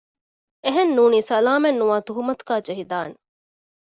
އެހެން ނޫނީ ސަލާމަތްނުވާ ތުހުމަތުގައި ޖެހިދާނެ